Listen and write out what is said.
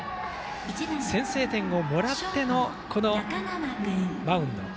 先制点をもらってのマウンド。